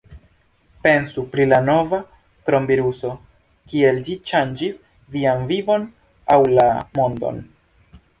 Pensu pri la nova kronviruso: kiel ĝi ŝanĝis vian vivon aŭ la mondon?